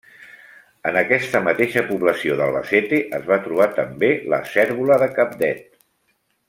En aquesta mateixa població d'Albacete es va trobar també la cérvola de Cabdet.